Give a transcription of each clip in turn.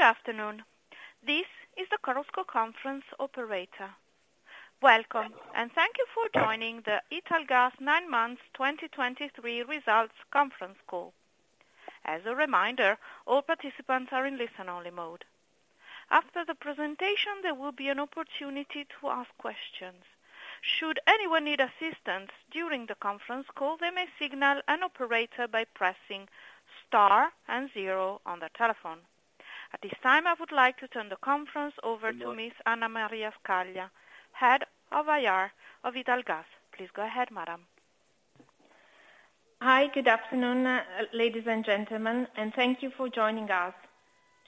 Good afternoon. This is the Chorus Call Conference Operator. Welcome, and thank you for joining the Italgas nine months 2023 results conference call. As a reminder, all participants are in listen-only mode. After the presentation, there will be an opportunity to ask questions. Should anyone need assistance during the conference call, they may signal an operator by pressing star and zero on their telephone. At this time, I would like to turn the conference over to Ms. Anna Maria Scaglia, Head of IR of Italgas. Please go ahead, Madam. Hi, good afternoon, ladies and gentlemen, and thank you for joining us.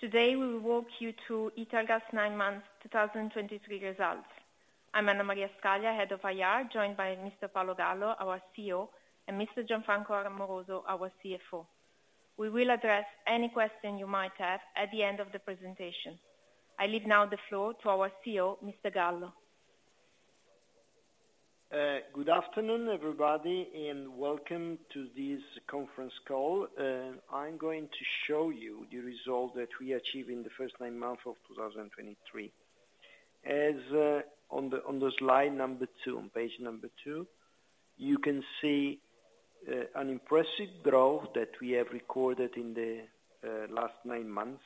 Today, we will walk you through Italgas nine months 2023 results. I'm Anna Maria Scaglia, Head of IR, joined by Mr. Paolo Gallo, our CEO, and Mr. Gianfranco Amoroso, our CFO. We will address any question you might have at the end of the presentation. I leave now the floor to our CEO, Mr. Gallo. Good afternoon, everybody, and welcome to this conference call. I'm going to show you the result that we achieved in the first nine months of 2023. As on the slide number two, on page number two, you can see an impressive growth that we have recorded in the last nine months,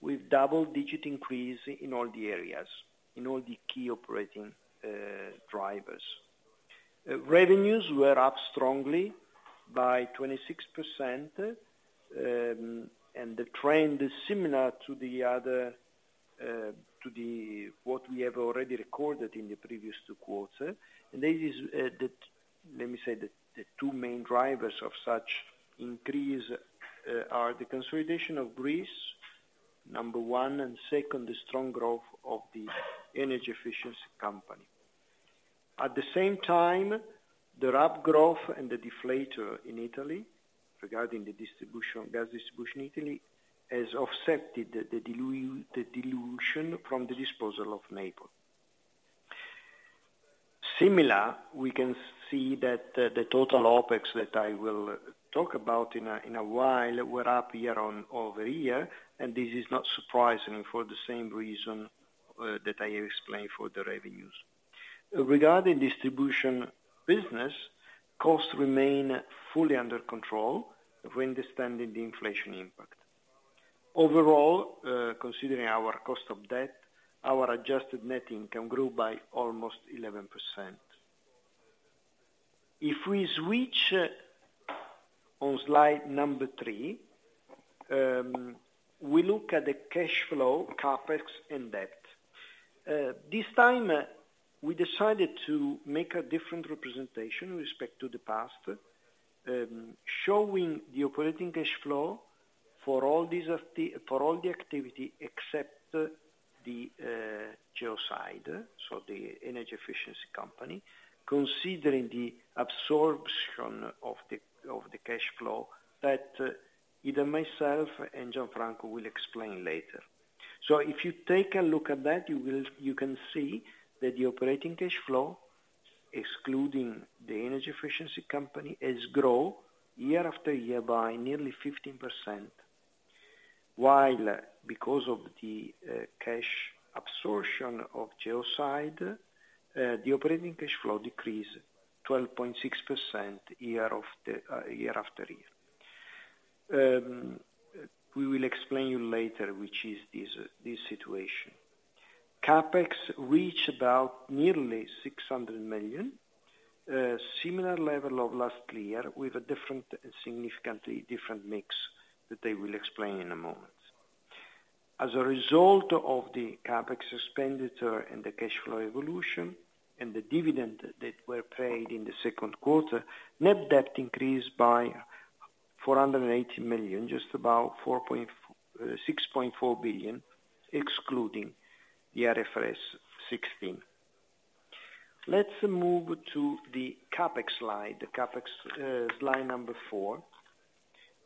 with double-digit increase in all the areas, in all the key operating drivers. Revenues were up strongly by 26%, and the trend is similar to what we have already recorded in the previous two quarters. And this is, let me say, the two main drivers of such increase are the consolidation of Greece, number one, and second, the strong growth of the energy efficiency company. At the same time, the rapid growth and the deflator in Italy, regarding the distribution, gas distribution in Italy, has offset the dilution from the disposal of Naples. Similarly, we can see that the total OpEx that I will talk about in a while were up year-over-year, and this is not surprising for the same reason that I explained for the revenues. Regarding distribution business, costs remain fully under control when understanding the inflation impact. Overall, considering our cost of debt, our adjusted net income grew by almost 11%. If we switch on slide number three, we look at the cash flow, CapEx, and debt. This time, we decided to make a different representation with respect to the past, showing the operating cash flow for all the activity except the Geoside, so the energy efficiency company, considering the absorption of the cash flow that either myself and Gianfranco will explain later. So if you take a look at that, you can see that the operating cash flow, excluding the energy efficiency company, has grown year after year by nearly 15%. While because of the cash absorption of Geoside, the operating cash flow decreased 12.6% year after year. We will explain to you later, which is this situation. CapEx reached about nearly 600 million, a similar level of last year, with a different, significantly different mix that I will explain in a moment. As a result of the CapEx expenditure and the cash flow evolution, and the dividend that were paid in the second quarter, net debt increased by 480 million, just about 4.64 billion, excluding the IFRS 16. Let's move to the CapEx slide. The CapEx slide number four.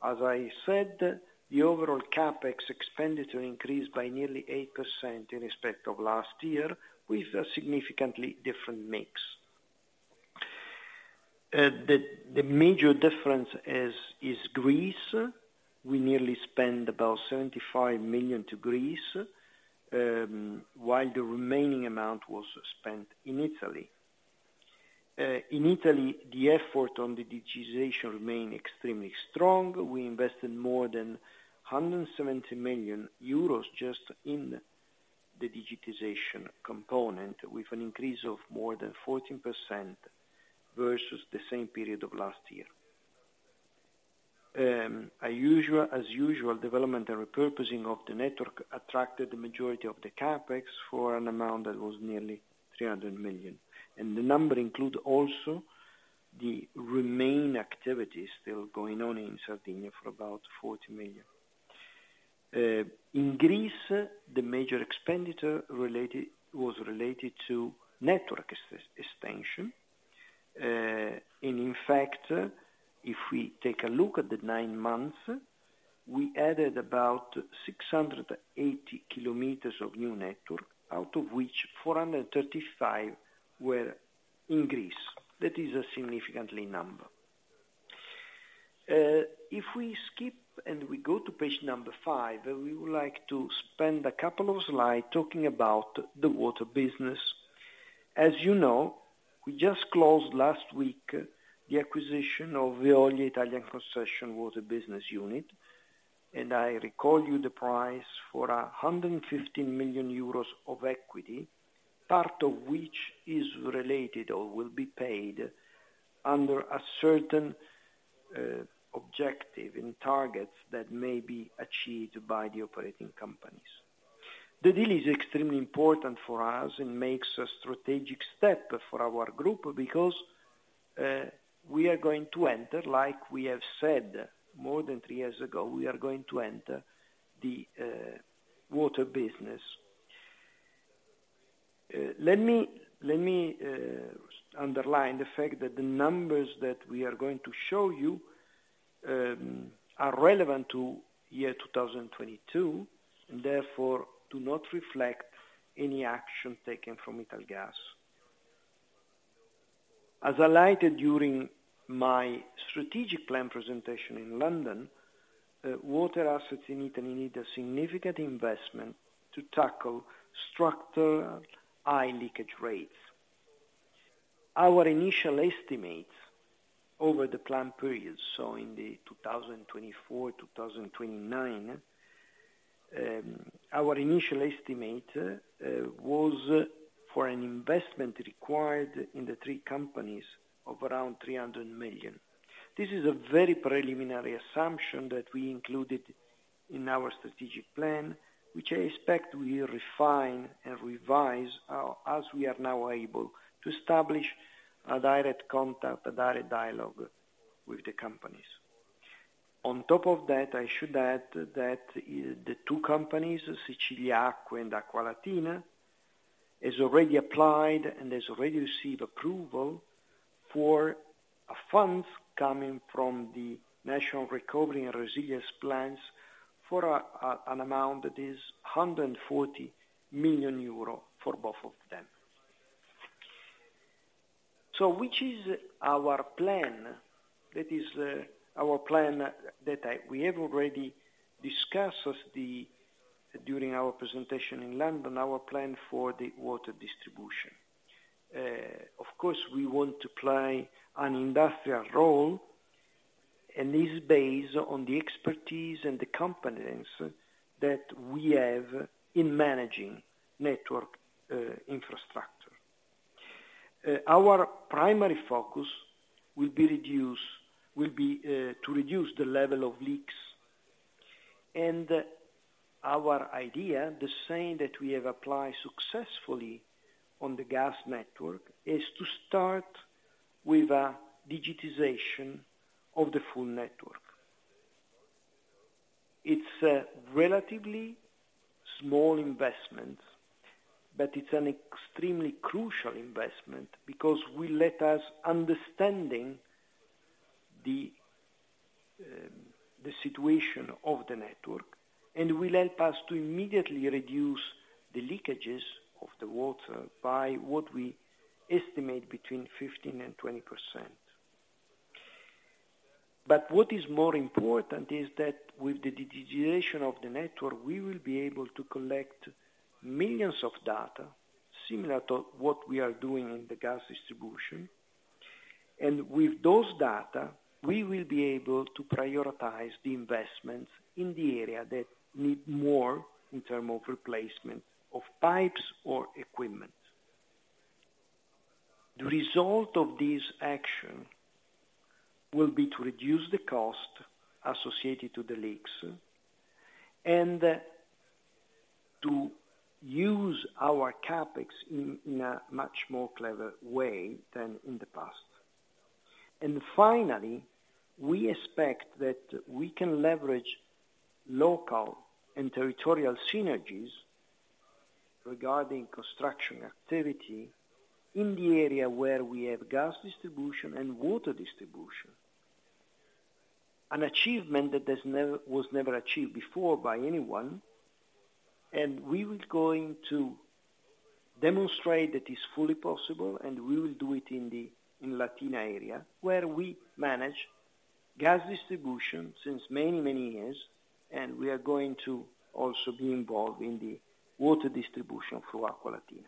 As I said, the overall CapEx expenditure increased by nearly 8% in respect of last year, with a significantly different mix. The major difference is Greece. We nearly spend about 75 million to Greece, while the remaining amount was spent in Italy. In Italy, the effort on the digitization remained extremely strong. We invested more than 170 million euros just in the digitization component, with an increase of more than 14% versus the same period of last year. As usual, development and repurposing of the network attracted the majority of the CapEx for an amount that was nearly 300 million. The number includes also the remaining activities still going on in Sardinia for about 40 million. In Greece, the major expenditure related, was related to network extension. In fact, if we take a look at the nine months, we added about 680 kilometers of new network, out of which 435 were in Greece. That is a significant number. If we skip and we go to page five, we would like to spend a couple of slides talking about the water business. As you know, we just closed last week the acquisition of the only Italian concession water business unit, and I recall you the price for 115 million euros of equity, part of which is related or will be paid under a certain objective and targets that may be achieved by the operating companies. The deal is extremely important for us and makes a strategic step for our group, because we are going to enter, like we have said, more than three years ago, we are going to enter the water business. Let me underline the fact that the numbers that we are going to show you are relevant to year 2022, and therefore do not reflect any action taken from Italgas. As highlighted during my strategic plan presentation in London, water assets in Italy need a significant investment to tackle structural high leakage rates. Our initial estimate over the plan period, so in the 2024-2029, our initial estimate, was for an investment required in the three companies of around 300 million. This is a very preliminary assumption that we included in our strategic plan, which I expect we refine and revise, as we are now able to establish a direct contact, a direct dialogue with the companies. On top of that, I should add that the two companies, Siciliacque and Acqualatina, has already applied and has already received approval for a fund coming from the National Recovery and Resilience plans for, an amount that is 140 million euro for both of them. So which is our plan? That is, our plan that we have already discussed during our presentation in London, our plan for the water distribution. Of course, we want to play an industrial role, and this is based on the expertise and the competence that we have in managing network infrastructure. Our primary focus will be to reduce the level of leaks. And our idea, the same that we have applied successfully on the gas network, is to start with a digitization of the full network. It's a relatively small investment, but it's an extremely crucial investment because it will let us understand the situation of the network, and it will help us to immediately reduce the leakages of the water by what we estimate between 15% and 20%. But what is more important is that with the digitization of the network, we will be able to collect millions of data, similar to what we are doing in the gas distribution. And with those data, we will be able to prioritize the investments in the area that need more in terms of replacement of pipes or equipment. The result of this action will be to reduce the cost associated with the leaks, and to use our CapEx in a much more clever way than in the past. And finally, we expect that we can leverage local and territorial synergies regarding construction activity in the area where we have gas distribution and water distribution. An achievement that was never achieved before by anyone, and we will going to demonstrate that it's fully possible, and we will do it in Latina area, where we manage gas distribution since many, many years, and we are going to also be involved in the water distribution through Acqualatina.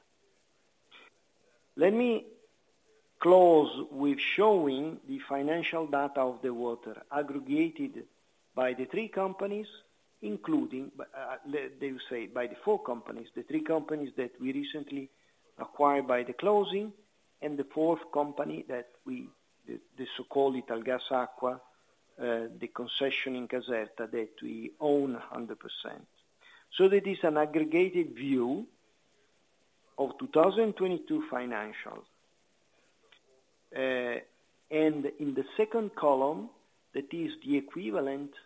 Let me close with showing the financial data of the water, aggregated by the three companies, including, let me say, by the four companies, the three companies that we recently acquired by the closing, and the fourth company that we, the so-called Italgas Acqua, the concession in Caserta, that we own 100%. So that is an aggregated view of 2022 financials. And in the second column, that is the equivalent of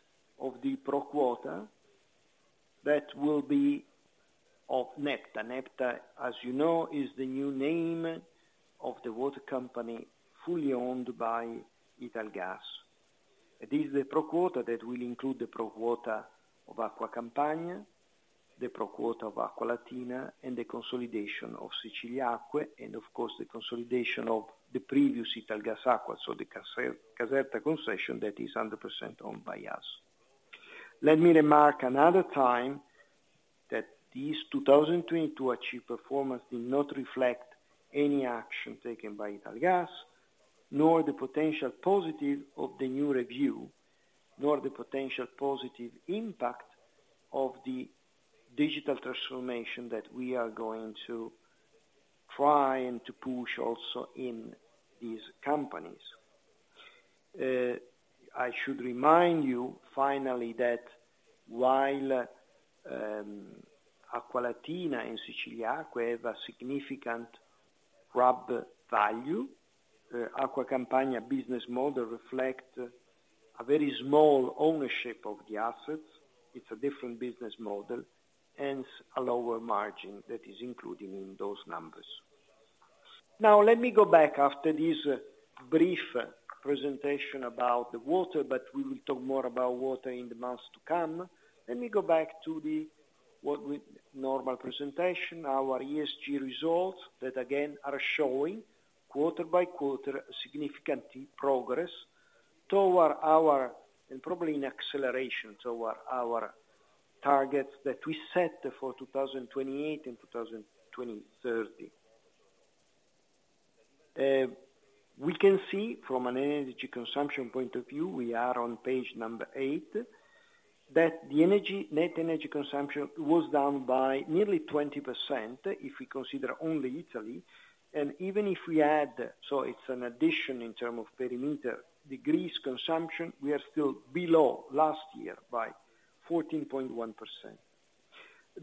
the pro quota, that will be of Nepta. Nepta, as you know, is the new name of the water company, fully owned by Italgas. It is the pro quota that will include the pro quota of Acqua Campania, the pro quota of Acqualatina and the consolidation of Siciliacque, and of course, the consolidation of the previous Italgas Acqua, so the Caserta concession that is 100% owned by us. Let me remark another time, that these 2022 achieved performance did not reflect any action taken by Italgas, nor the potential positive of the new review, nor the potential positive impact of the digital transformation that we are going to try and to push also in these companies. I should remind you, finally, that while, Acqualatina and Siciliacque have a significant RAB value, Acqua Campania business model reflect a very small ownership of the assets. It's a different business model, hence a lower margin that is included in those numbers. Now, let me go back after this brief presentation about the water, but we will talk more about water in the months to come. Let me go back to the normal presentation, our ESG results, that again are showing quarter by quarter significant progress toward our... and probably an acceleration toward our targets that we set for 2028 and 2030. We can see from an energy consumption point of view, we are on page eight, that the energy, net energy consumption was down by nearly 20%, if we consider only Italy. And even if we add, so it's an addition in term of perimeter, the Greece consumption, we are still below last year by 14.1%.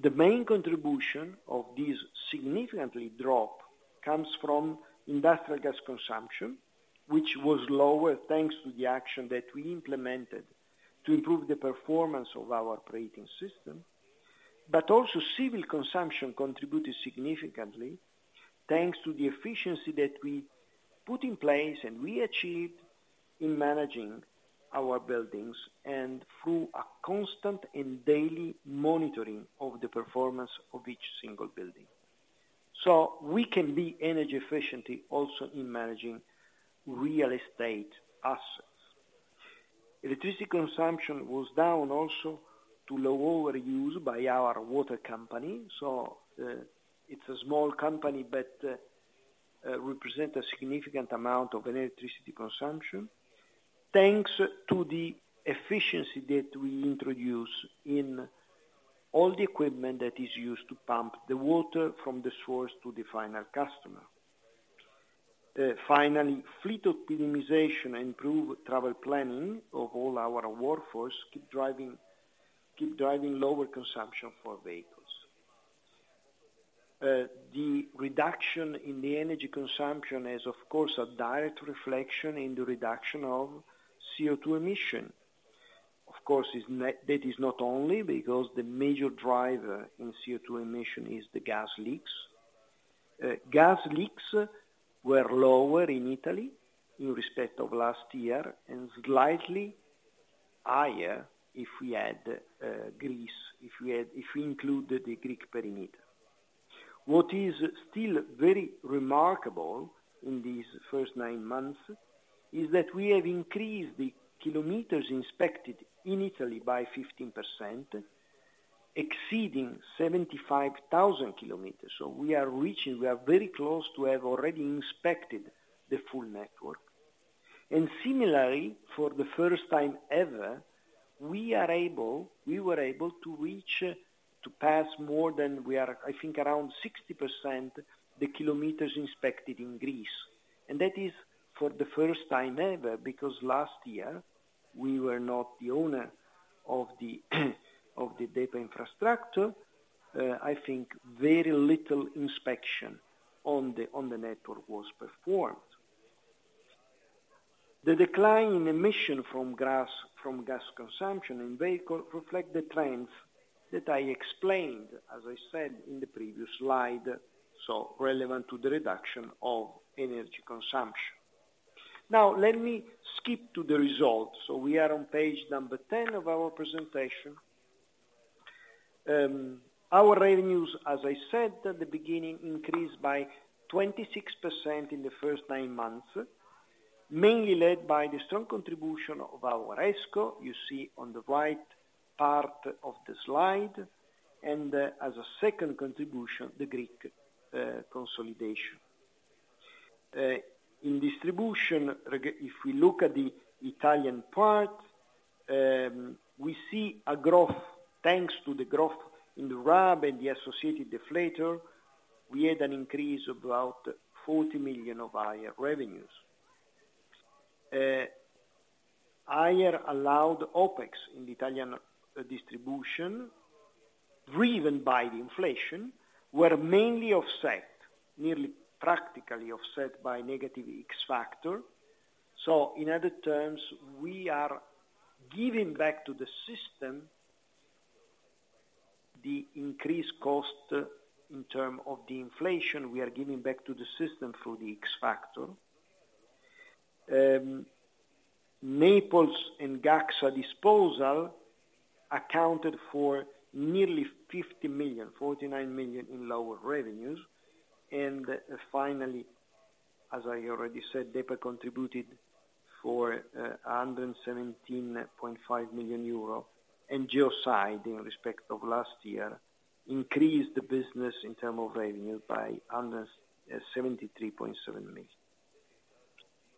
The main contribution of this significantly drop comes from industrial gas consumption, which was lower, thanks to the action that we implemented to improve the performance of our operating system. But also, civil consumption contributed significantly, thanks to the efficiency that we put in place, and we achieved in managing our buildings, and through a constant and daily monitoring of the performance of each single building. So we can be energy efficient also in managing real estate assets. Electricity consumption was down also to lower use by our water company. So, it's a small company, but, represent a significant amount of electricity consumption, thanks to the efficiency that we introduce in all the equipment that is used to pump the water from the source to the final customer. Finally, fleet optimization and improved travel planning of all our workforce keep driving lower consumption for vehicles. The reduction in the energy consumption is, of course, a direct reflection in the reduction of CO₂ emission. Of course, it's not, that is not only because the major driver in CO₂ emission is the gas leaks. Gas leaks were lower in Italy, in respect of last year, and slightly higher if we add Greece, if we include the Greek perimeter. What is still very remarkable in these first nine months is that we have increased the kilometers inspected in Italy by 15%, exceeding 75,000 kilometers. So we are reaching, we are very close to have already inspected the full network. And similarly, for the first time ever, we are able, we were able to reach, to pass more than we are, I think, around 60%, the kilometers inspected in Greece. That is for the first time ever, because last year, we were not the owner of the DEPA Infrastructure. I think very little inspection on the network was performed. The decline in emission from gas consumption in vehicle reflects the trends that I explained, as I said in the previous slide, so relevant to the reduction of energy consumption. Now, let me skip to the results. We are on page 10 of our presentation. Our revenues, as I said at the beginning, increased by 26% in the first nine months, mainly led by the strong contribution of our ESCo, you see on the right part of the slide, and as a second contribution, the Greek consolidation. In distribution, if we look at the Italian part, we see a growth, thanks to the growth in the RAB and the associated deflator, we had an increase of about 40 million of higher revenues. Higher allowed OpEx in the Italian distribution, driven by the inflation, were mainly offset, nearly practically offset by negative X-factor. So in other terms, we are giving back to the system the increased cost in terms of the inflation, we are giving back to the system through the X-factor... Naples and Gaxa disposal accounted for nearly 50 million, 49 million in lower revenues. And finally, as I already said, DEPA contributed for a 117.5 million euro, and Geoside, in respect of last year, increased the business in terms of revenue by 173.7 million.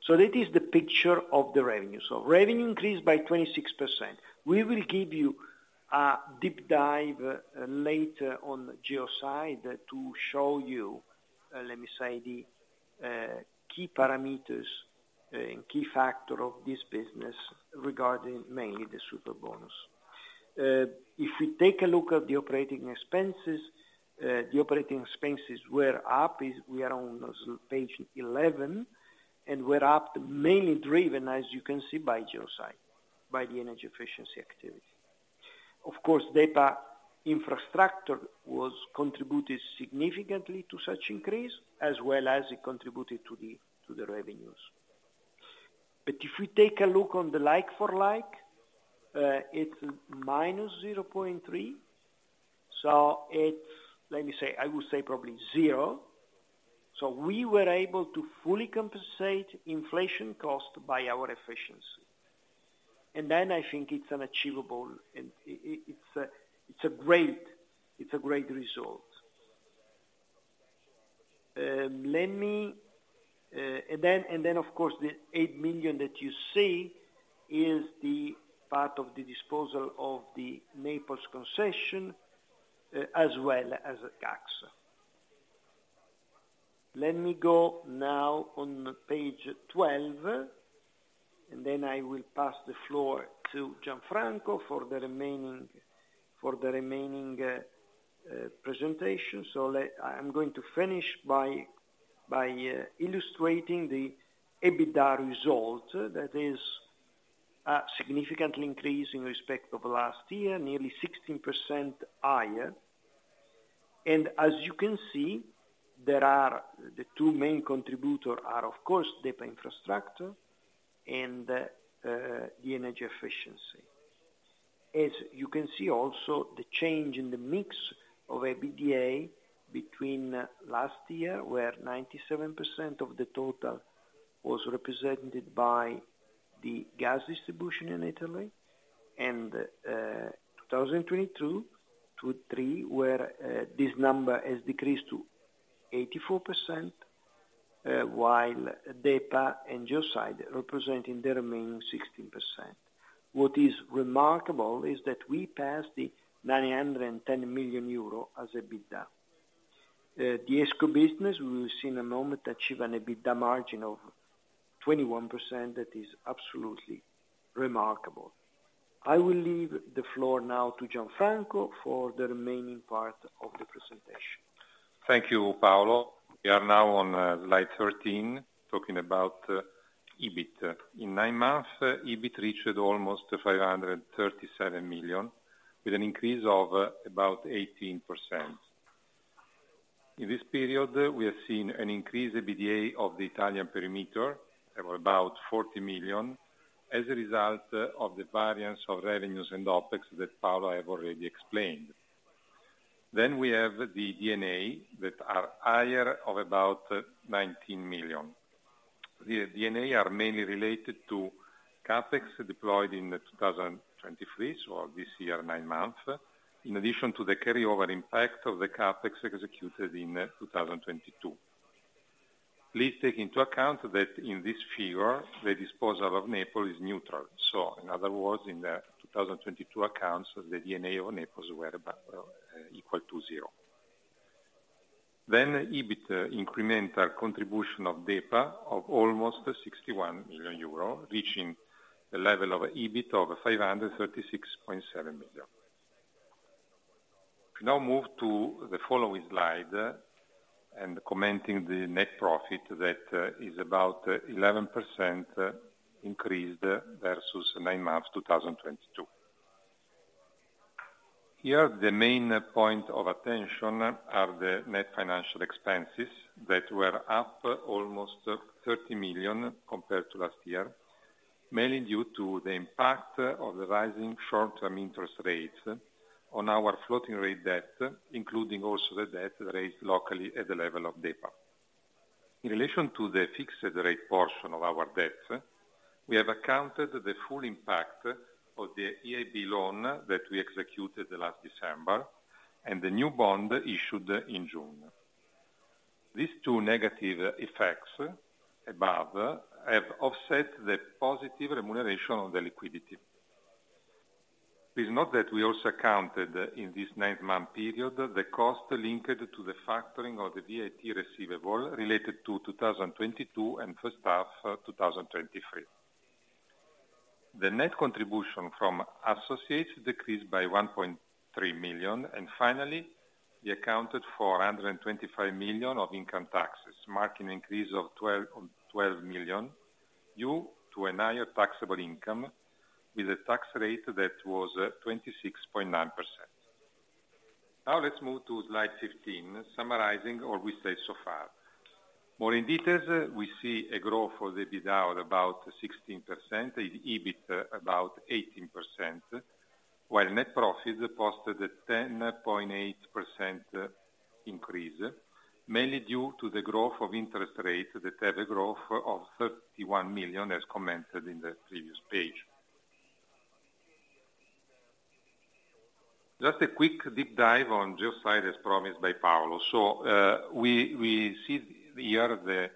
So that is the picture of the revenue. So revenue increased by 26%. We will give you a deep dive, later on Geoside to show you, let me say, the key parameters, and key factor of this business regarding mainly the super bonus. If we take a look at the operating expenses, the operating expenses were up, as we are on page 11, and were up, mainly driven, as you can see, by Geoside, by the energy efficiency activity. Of course, DEPA Infrastructure was contributed significantly to such increase, as well as it contributed to the, to the revenues. But if we take a look on the like-for-like, it's minus 0.3, so it's... let me say, I would say probably zero. So we were able to fully compensate inflation cost by our efficiency. And then I think it's unachievable, and it's a great result. Let me... And then of course, the 8 million that you see is the part of the disposal of the Naples concession, as well as Gaxa. Let me go now on page 12, and then I will pass the floor to Gianfranco for the remaining presentation. So I'm going to finish by illustrating the EBITDA result. That is significantly increased in respect of last year, nearly 16% higher. And as you can see, the two main contributors are, of course, DEPA Infrastructure and the energy efficiency. As you can see also, the change in the mix of EBITDA between last year, where 97% of the total was represented by the gas distribution in Italy, and 2022-2023, where this number has decreased to 84%, while DEPA and Geoside representing the remaining 16%. What is remarkable is that we passed the 910 million euro as EBITDA. The ESCo business, we will see in a moment, achieve an EBITDA margin of 21%. That is absolutely remarkable. I will leave the floor now to Gianfranco for the remaining part of the presentation. Thank you, Paolo. We are now on slide 13, talking about EBIT. In nine months, EBIT reached almost 537 million, with an increase of about 18%. In this period, we have seen an increased EBITDA of the Italian perimeter of about 40 million, as a result of the variance of revenues and OpEx that Paolo have already explained. Then we have the D&A, that are higher of about 19 million. The D&A are mainly related to CapEx deployed in 2023, so this year, nine months, in addition to the carryover impact of the CapEx executed in 2022. Please take into account that in this figure, the disposal of Naples is neutral. So in other words, in the 2022 accounts, the D&A of Naples were about equal to zero. Then EBIT, incremental contribution of DEPA of almost 61 million euros, reaching the level of EBIT of 536.7 million. We now move to the following slide, and commenting the net profit, that is about 11% increased versus nine months 2022. Here, the main point of attention are the net financial expenses that were up almost 30 million compared to last year, mainly due to the impact of the rising short-term interest rates on our floating rate debt, including also the debt raised locally at the level of DEPA. In relation to the fixed rate portion of our debt, we have accounted the full impact of the EIB loan that we executed last December, and the new bond issued in June. These two negative effects above have offset the positive remuneration on the liquidity. Please note that we also accounted, in this nine-month period, the cost linked to the factoring of the VAT receivable related to 2022 and first half 2023. The net contribution from associates decreased by 1.3 million, and finally, we accounted for 125 million of income taxes, marking increase of 12 million due to a higher taxable income with a tax rate that was 26.9%.... Now let's move to slide 15, summarizing what we said so far. More in details, we see a growth for the EBITDA about 16%, the EBIT about 18%, while net profit posted a 10.8% increase, mainly due to the growth of interest rates that had a growth of 31 million, as commented in the previous page. Just a quick deep dive on Geoside, as promised by Paolo. So, we see here the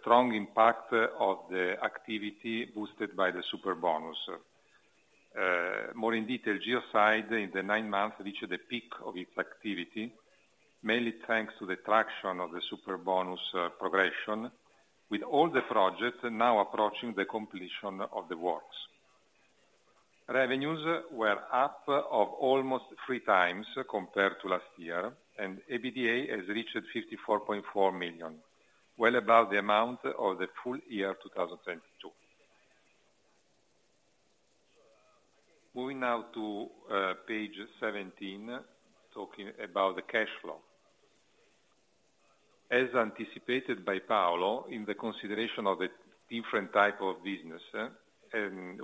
strong impact of the activity boosted by the Superbonus. More in detail, Geoside, in the nine months, reached the peak of its activity, mainly thanks to the traction of the Superbonus progression, with all the projects now approaching the completion of the works. Revenues were up of almost three times compared to last year, and EBITDA has reached 54.4 million, well above the amount of the full year, 2022. Moving now to page 17, talking about the cash flow. As anticipated by Paolo, in the consideration of the different type of business,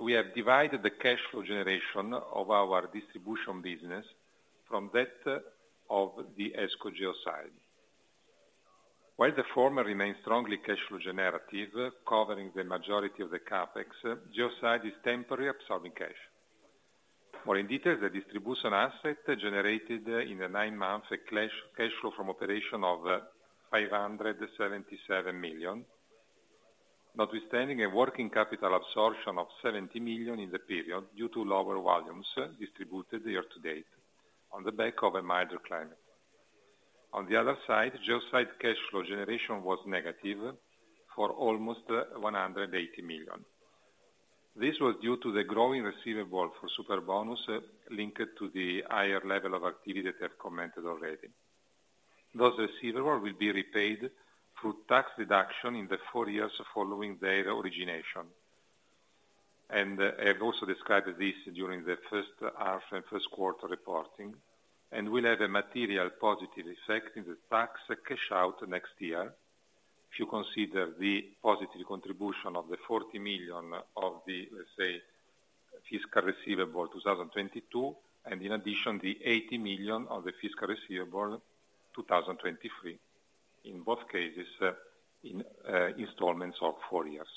we have divided the cash flow generation of our distribution business from that of the ESCo Geoside. While the former remains strongly cash flow generative, covering the majority of the CapEx, Geoside is temporarily absorbing cash. More in detail, the distribution asset generated in the nine months a cash flow from operations of 577 million, notwithstanding a working capital absorption of 70 million in the period, due to lower volumes distributed year-to-date, on the back of a milder climate. On the other side, Geoside cash flow generation was negative for almost 180 million. This was due to the growing receivables for Superbonus, linked to the higher level of activity that I've commented already. Those receivables will be repaid through tax deduction in the four years following their origination. I've also described this during the first half and first quarter reporting, and will have a material positive effect in the tax cash out next year, if you consider the positive contribution of the 40 million of the, let's say, fiscal receivable 2022, and in addition, the 80 million of the fiscal receivable 2023, in both cases, in installments of four years.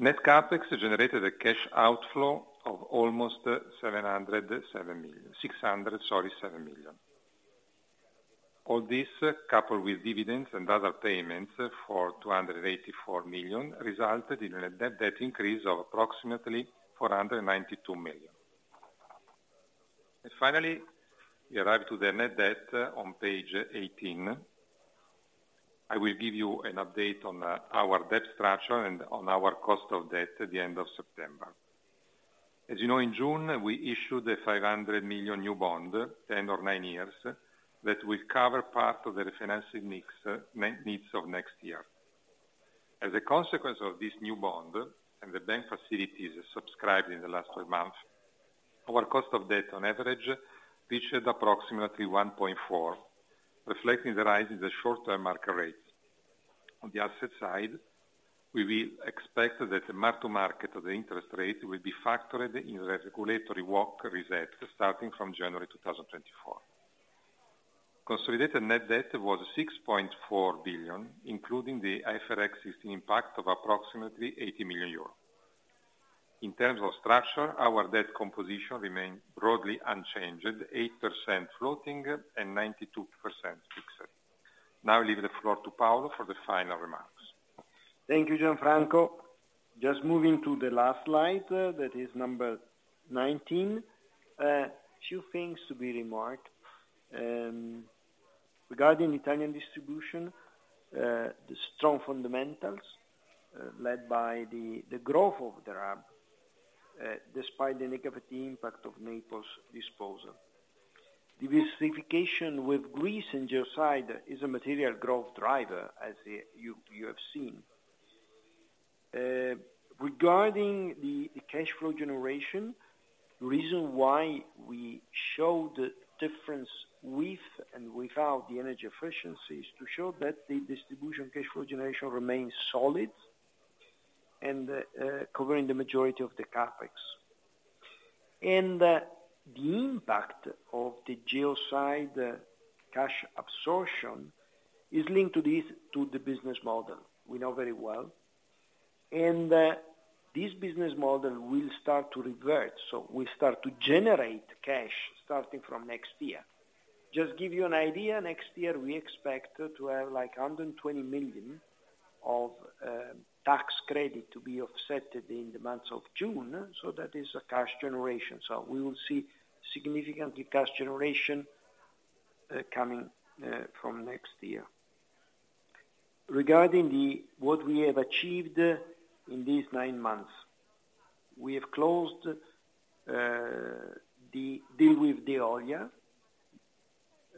Net CapEx generated a cash outflow of almost 707.6 million, sorry, 7 million. All this, coupled with dividends and other payments for 284 million, resulted in a net debt increase of approximately 492 million. And finally, we arrive to the net debt on page 18. I will give you an update on our debt structure and on our cost of debt at the end of September. As you know, in June, we issued a 500 million new bond, 10 or nine years, that will cover part of the refinancing needs of next year. As a consequence of this new bond, and the bank facilities subscribed in the last 12 months, our cost of debt on average reached approximately 1.4, reflecting the rise in the short-term market rates. On the asset side, we will expect that the mark to market of the interest rate will be factored in the regulatory WACC reset, starting from January 2024. Consolidated net debt was 6.4 billion, including the IFRS 16 impact of approximately 80 million euros. In terms of structure, our debt composition remained broadly unchanged, 8% floating and 92% fixed. Now I leave the floor to Paolo for the final remarks. Thank you, Gianfranco. Just moving to the last slide, that is number 19. Two things to be remarked. Regarding Italian distribution, the strong fundamentals, led by the growth of the RAB, despite the negative impact of Naples disposal. Diversification with Greece and Geoside is a material growth driver, as you have seen. Regarding the cash flow generation, the reason why we show the difference with and without the energy efficiency, is to show that the distribution cash flow generation remains solid and covering the majority of the CapEx. The impact of the Geoside cash absorption is linked to this, to the business model, we know very well. This business model will start to revert, so we start to generate cash, starting from next year. Just give you an idea, next year, we expect to have, like, 120 million of tax credit to be offset in the month of June, so that is a cash generation. So we will see significantly cash generation coming from next year. Regarding what we have achieved in these nine months, we have closed the deal with Veolia.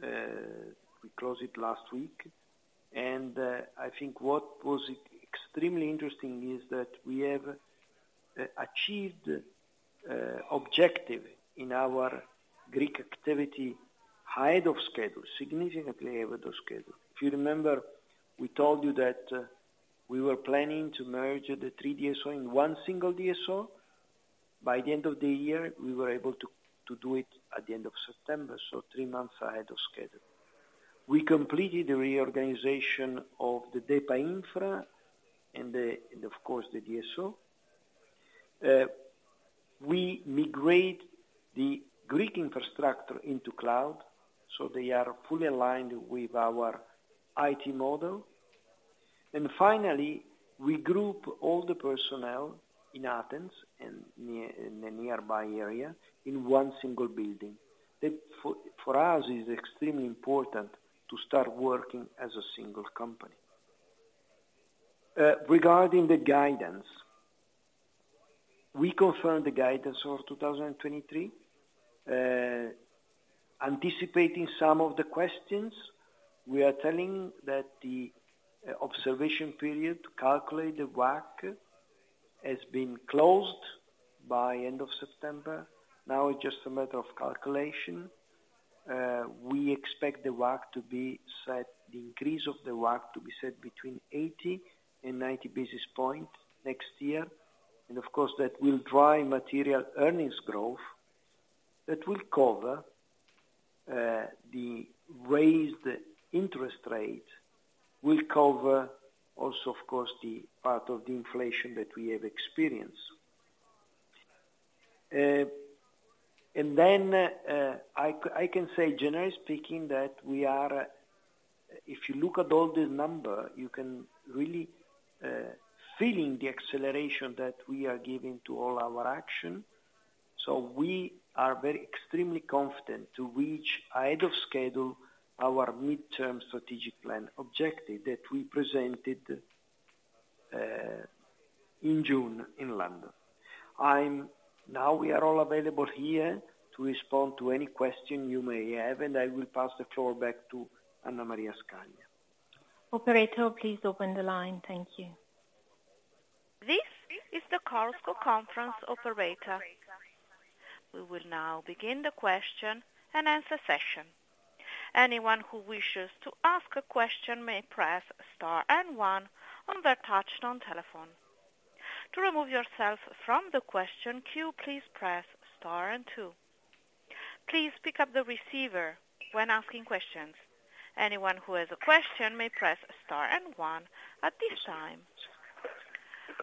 We closed it last week, and I think what was extremely interesting is that we have achieved objective in our Greek activity ahead of schedule, significantly ahead of schedule. If you remember, we told you that we were planning to merge the three DSO in one single DSO. By the end of the year, we were able to do it at the end of September, so three months ahead of schedule. We completed the reorganization of the DEPA Infrastructure and, of course, the DSO. We migrate the Greek infrastructure into cloud, so they are fully aligned with our IT model. And finally, we group all the personnel in Athens and near, in the nearby area, in one single building. That for us is extremely important to start working as a single company. Regarding the guidance, we confirm the guidance for 2023. Anticipating some of the questions, we are telling that the observation period to calculate the WACC has been closed by end of September. Now, it's just a matter of calculation. We expect the WACC to be set -- the increase of the WACC to be set between 80 and 90 basis points next year. Of course, that will drive material earnings growth that will cover the raised interest rate, will cover also, of course, the part of the inflation that we have experienced. And then, I can say, generally speaking, that we are, if you look at all the number, you can really feeling the acceleration that we are giving to all our action. So we are very extremely confident to reach ahead of schedule, our midterm strategic plan objective that we presented in June, in London. I'm now we are all available here to respond to any question you may have, and I will pass the floor back to Anna Maria Scaglia. Operator, please open the line. Thank you. This is the Chorus Call Conference Operator. We will now begin the question and answer session. Anyone who wishes to ask a question may press star and one on their touchtone telephone. To remove yourself from the question queue, please press star and two. Please pick up the receiver when asking questions. Anyone who has a question may press star and one at this time.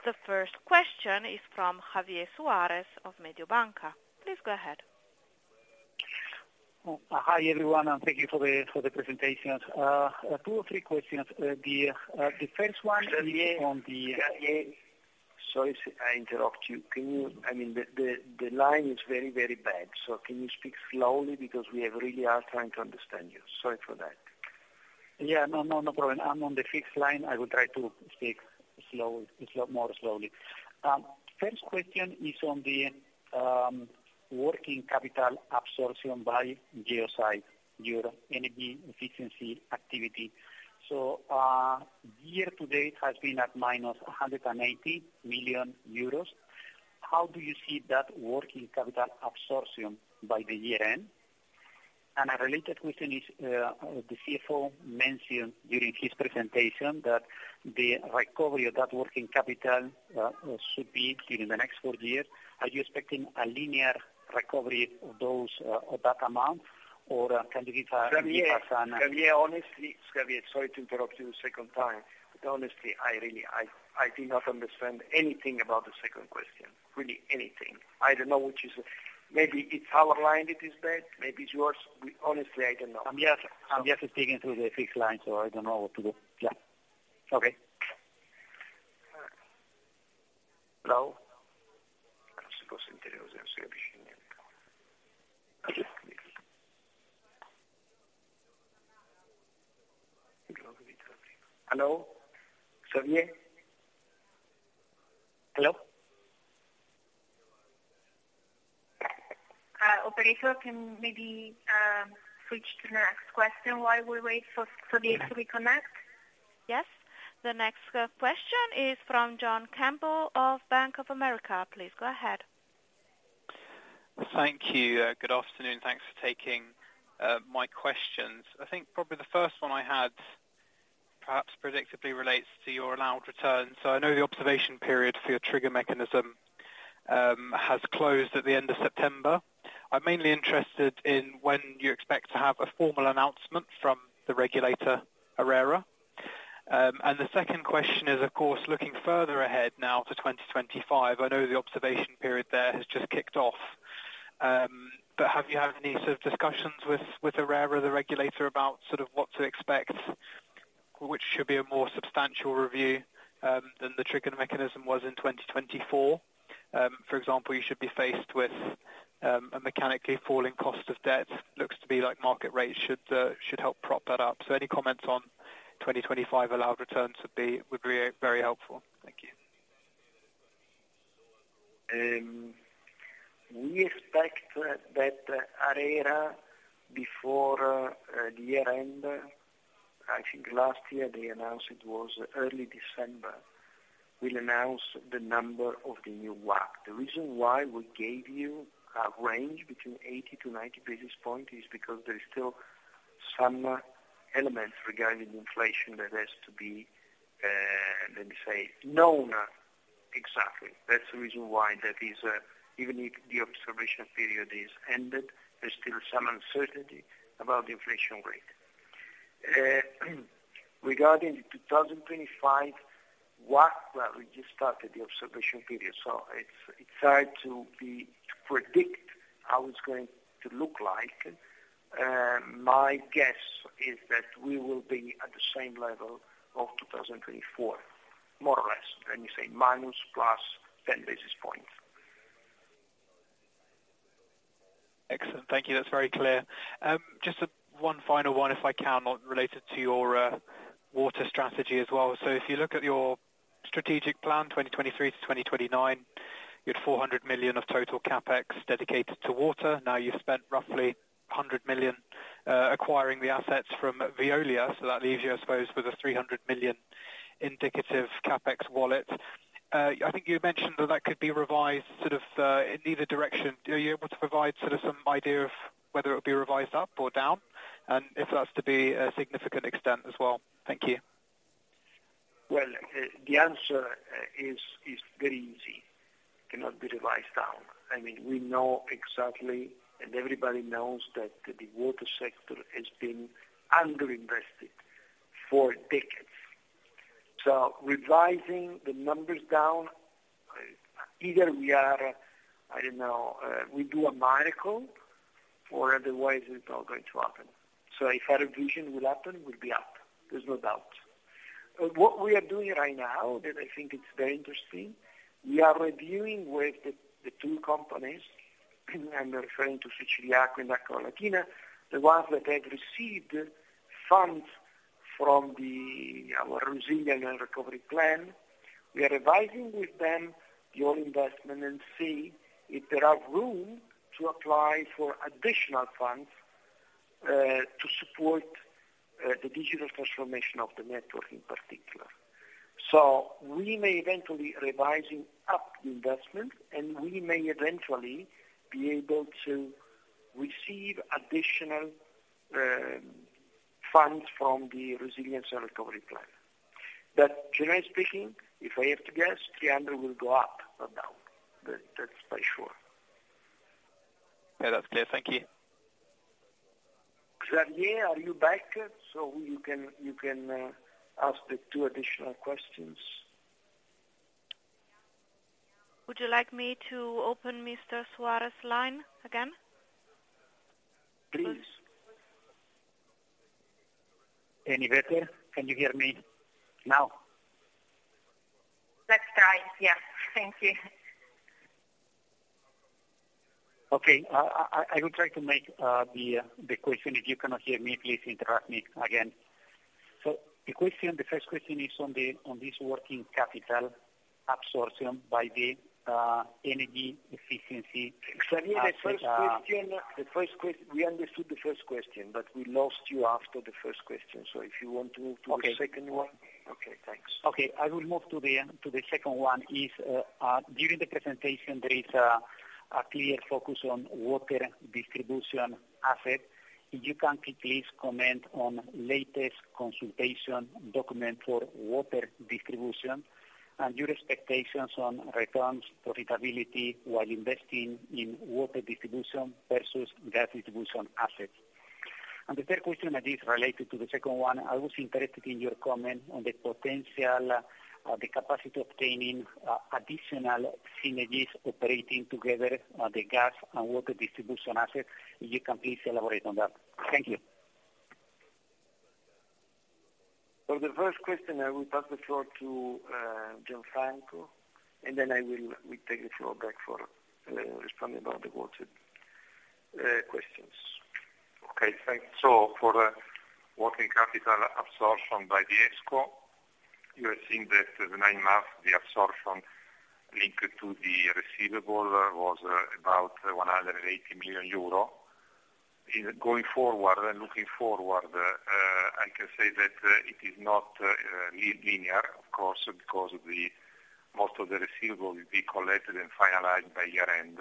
The first question is from Javier Suárez of Mediobanca. Please go ahead. Hi, everyone, and thank you for the presentation. Two or three questions. The first one is on the- Sorry, I interrupt you. Can you... I mean, the line is very, very bad, so can you speak slowly? Because we have really are trying to understand you. Sorry for that. Yeah. No, no, no problem. I'm on the fixed line. I will try to speak slowly, slow, more slowly. First question is on the working capital absorption by Geoside, your energy efficiency activity. So, year-to-date has been at -180 million euros. How do you see that working capital absorption by the year end? And a related question is, the CFO mentioned during his presentation that the recovery of that working capital should be during the next four years. Are you expecting a linear recovery of those, or that amount? Or can you give us an- Yeah, honestly, Javier, sorry to interrupt you a second time, but honestly, I really, I, I did not understand anything about the second question. Really, anything. I don't know which is... Maybe it's our line, it is bad. Maybe it's yours. We, honestly, I don't know. I'm just, I'm just speaking through the fixed line, so I don't know what to do. Yeah. Okay. Hello? Hello? Javier? Hello. Operator, can you maybe switch to the next question while we wait for Javier to reconnect? Yes. The next question is from John Campbell of Bank of America. Please go ahead. Thank you. Good afternoon, thanks for taking my questions. I think probably the first one I had, perhaps predictably, relates to your allowed return. So I know the observation period for your trigger mechanism has closed at the end of September. I'm mainly interested in when you expect to have a formal announcement from the regulator, ARERA. And the second question is, of course, looking further ahead now to 2025. I know the observation period there has just kicked off, but have you had any sort of discussions with, with ARERA, the regulator, about sort of what to expect, which should be a more substantial review than the trigger mechanism was in 2024? For example, you should be faced with a mechanically falling cost of debt. Looks to be like market rate should should help prop that up. Any comments on 2025 allowed returns would be very helpful. Thank you. We expect that ARERA, before the year end, I think last year they announced it was early December, will announce the number of the new WACC. The reason why we gave you a range between 80-90 basis point is because there is still some elements regarding inflation that has to be, let me say, known exactly. That's the reason why there is, even if the observation period is ended, there's still some uncertainty about the inflation rate. Regarding the 2025 WACC, well, we just started the observation period, so it's hard to predict how it's going to look like. My guess is that we will be at the same level of 2024, more or less, let me say, minus, plus 10 basis points. Excellent. Thank you. That's very clear. Just one final one, if I can, on related to your water strategy as well. So if you look at your strategic plan, 2023-2029, you had 400 million of total CapEx dedicated to water. Now, you've spent roughly 100 million acquiring the assets from Veolia. So that leaves you, I suppose, with a 300 million indicative CapEx wallet. I think you mentioned that that could be revised, sort of, in either direction. Are you able to provide sort of some idea of whether it would be revised up or down, and if that's to be a significant extent as well? Thank you. Well, the answer, is, is very easy. Cannot be revised down. I mean, we know exactly, and everybody knows that the water sector has been underinvested for decades. So revising the numbers down, either we are, I don't know, we do a miracle, or otherwise it's not going to happen. So if our vision will happen, we'll be up. There's no doubt. What we are doing right now, that I think it's very interesting, we are reviewing with the, the two companies, and I'm referring to Siciliacque and Acqualatina, the ones that have received funds from the, our resilience and recovery plan. We are revising with them the investment and see if there are room to apply for additional funds, to support, the digital transformation of the network, in particular. So we may eventually revise up the investment, and we may eventually be able to receive additional funds from the Recovery and Resilience Plan. But generally speaking, if I have to guess, the spend will go up, no doubt. That, that's for sure. Yeah, that's clear. Thank you. Javier, are you back? So you can, you can, ask the two additional questions. Would you like me to open Mr. Suárez's line again? Please. Any better? Can you hear me now? Let's try, yeah. Thank you. Okay, I will try to make the question. If you cannot hear me, please interrupt me again. So the question, the first question is on the, on this working capital absorption by the energy efficiency. Javier, the first question. We understood the first question, but we lost you after the first question. So if you want to move to the second one. Okay. Okay, thanks. Okay, I will move to the second one. During the presentation, there is a clear focus on water distribution asset. If you can, please comment on latest consultation document for water distribution, and your expectations on returns, profitability, while investing in water distribution versus gas distribution assets. The third question, and this is related to the second one, I was interested in your comment on the potential, the capacity of obtaining, additional synergies operating together, the gas and water distribution assets, if you can please elaborate on that. Thank you. For the first question, I will pass the floor to Gianfranco, and then I will, we take the floor back for responding about the water questions. Okay, thanks. So for the working capital absorption by the ESCo, you have seen that the nine months, the absorption linked to the receivable was about 180 million euro. In going forward and looking forward, I can say that it is not linear, of course, because the most of the receivable will be collected and finalized by year-end.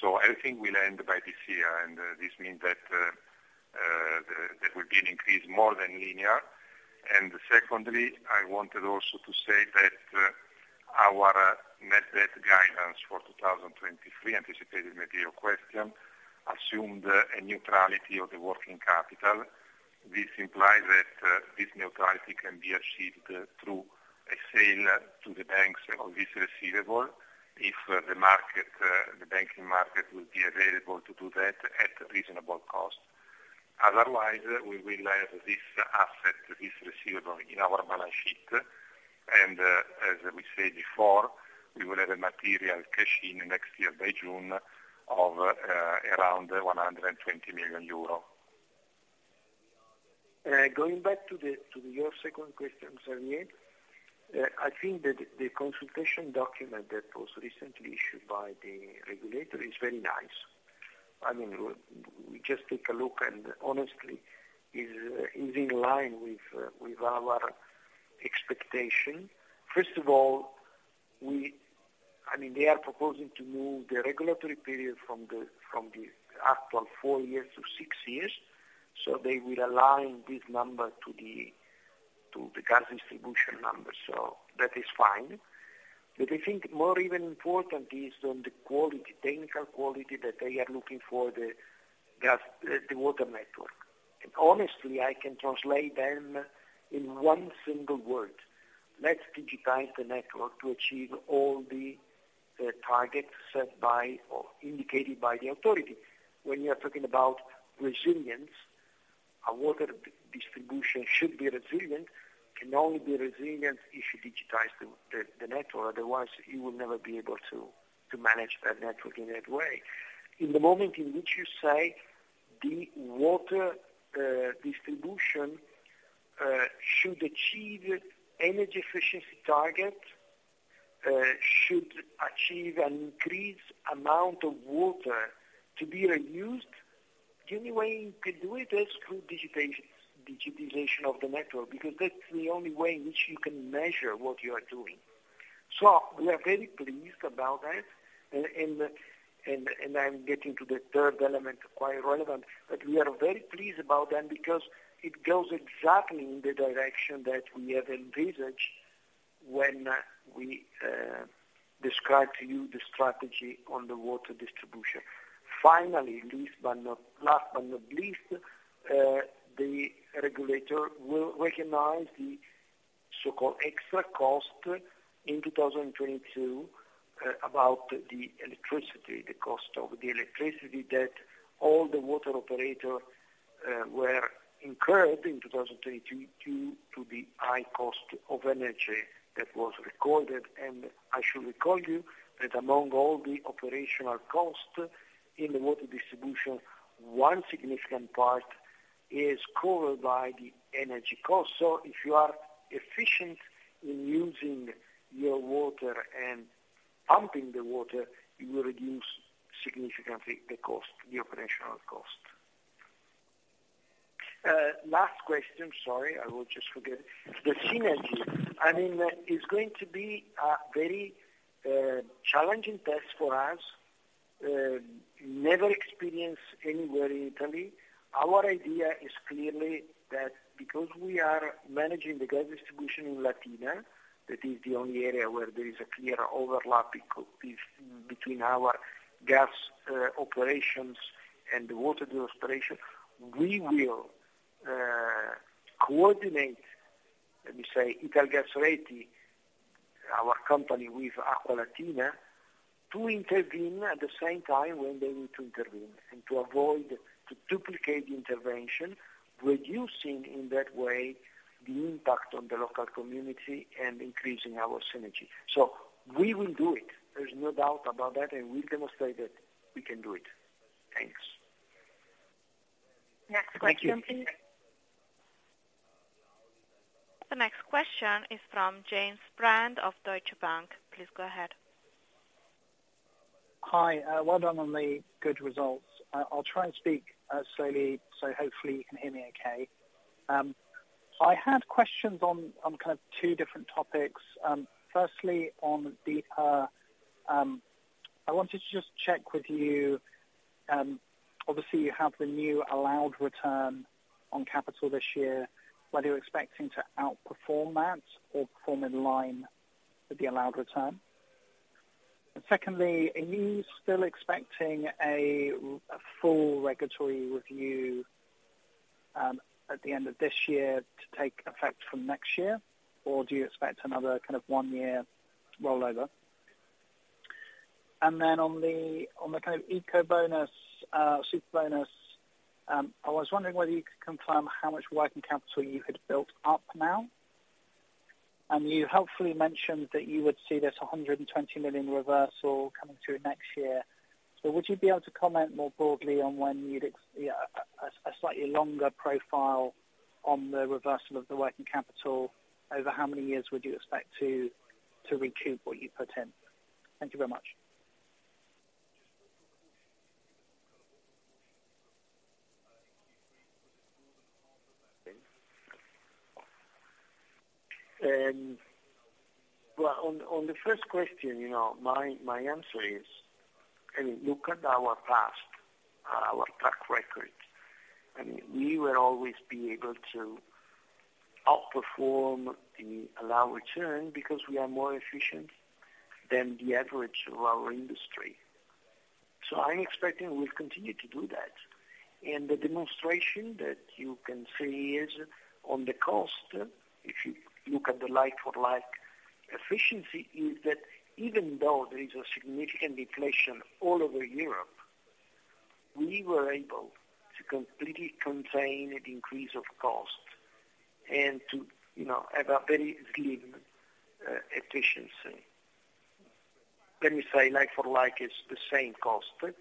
So everything will end by this year, and this means that there will be an increase more than linear. And secondly, I wanted also to say that our net debt guidance for 2023, anticipated material question, assumed a neutrality of the working capital. This implies that this neutrality can be achieved through a sale to the banks of this receivable, if the market, the banking market will be available to do that at reasonable cost. Otherwise, we will have this asset, this receivable, in our balance sheet, and, as we said before, we will have a material cash in next year by June of around EUR 120 million. Going back to the, to your second question, Javier, I think that the consultation document that was recently issued by the regulator is very nice. I mean, we just take a look, and honestly, it is in line with our expectation. First of all, I mean, they are proposing to move the regulatory period from the, from the actual four years to six years, so they will align this number to the, to the gas distribution number. So that is fine. But I think more even important is on the quality, technical quality, that they are looking for the gas, the water network. And honestly, I can translate them in one single word: Let's digitize the network to achieve all the targets set by or indicated by the authority. When you are talking about resilience, a water distribution should be resilient, can only be resilient if you digitize the network. Otherwise, you will never be able to manage that network in that way. In the moment in which you say the water distribution should achieve energy efficiency target, should achieve an increased amount of water to be reused, the only way you can do it is through digitization of the network, because that's the only way in which you can measure what you are doing. So we are very pleased about that, and I'm getting to the third element, quite relevant, but we are very pleased about them because it goes exactly in the direction that we have envisaged when we described to you the strategy on the water distribution. Finally, least but not... Last but not least, the regulator will recognize the so-called extra cost in 2022, about the electricity, the cost of the electricity, that all the water operator were incurred in 2022, due to the high cost of energy that was recorded. I should recall you that among all the operational costs in the water distribution, one significant part is covered by the energy cost. So if you are efficient in using your water and pumping the water, you will reduce significantly the cost, the operational cost. Last question, sorry, I will just forget. The synergy, I mean, is going to be a very challenging test for us, never experienced anywhere in Italy. Our idea is clearly that because we are managing the gas distribution in Latina, that is the only area where there is a clear overlap between our gas operations and the water distribution. We will coordinate, let me say, Italgas Reti, our company, with Acqualatina, to intervene at the same time when they need to intervene, and to avoid to duplicate the intervention, reducing in that way the impact on the local community and increasing our synergy. So we will do it. There's no doubt about that, and we'll demonstrate that we can do it. Thanks. Next question, please. Thank you. The next question is from James Brand of Deutsche Bank. Please go ahead. Hi, well done on the good results. I'll try and speak slowly, so hopefully you can hear me okay. I had questions on kind of two different topics. Firstly, I wanted to just check with you, obviously, you have the new allowed return on capital this year, whether you're expecting to outperform that or perform in line with the allowed return? And secondly, are you still expecting a full regulatory review at the end of this year to take effect from next year, or do you expect another kind of one-year rollover? And then on the kind of Ecobonus, Superbonus, I was wondering whether you could confirm how much working capital you had built up now. You helpfully mentioned that you would see this 120 million reversal coming through next year. Would you be able to comment more broadly on when you'd expect a slightly longer profile on the reversal of the working capital? Over how many years would you expect to recoup what you put in? Thank you very much. Well, on, on the first question, you know, my, my answer is, I mean, look at our past, our track record. I mean, we will always be able to outperform the allowed return because we are more efficient than the average of our industry. So I'm expecting we'll continue to do that. And the demonstration that you can see is on the cost, if you look at the like for like, efficiency, is that even though there is a significant deflation all over Europe, we were able to completely contain the increase of cost and to, you know, have a very slim, efficiency. Let me say, like for like, it's the same cost, but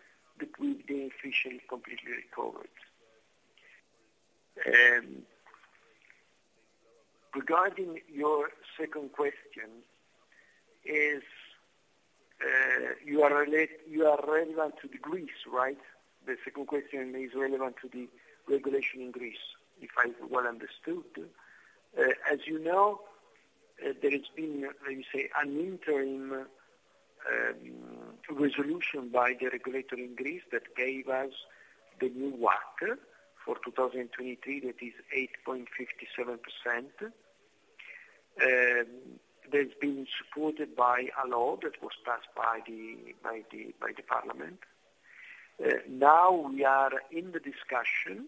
with the efficiency completely recovered. Regarding your second question, is, you are relevant to Greece, right? The second question is relevant to the regulation in Greece, if I well understood. As you know, there has been, let me say, an interim resolution by the regulator in Greece that gave us the new WACC for 2023, that is 8.57%. That's been supported by a law that was passed by the, by the, by the parliament. Now we are in the discussion